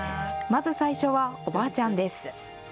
まず最初は、おばあちゃんです。